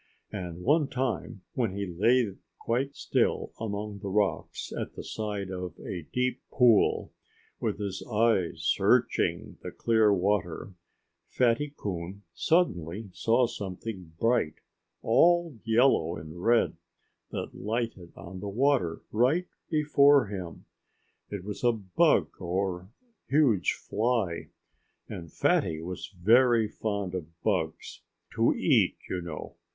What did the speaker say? And one time, when he lay quite still among the rocks, at the side of a deep pool, with his eyes searching the clear water, Fatty Coon suddenly saw something bright, all yellow and red, that lighted on the water right before him. It was a bug, or a huge fly. And Fatty was very fond of bugs to eat, you know.